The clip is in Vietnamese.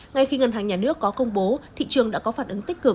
ngay khi ngân hàng nhà nước có công bố thị trường đã có phản ứng tích cực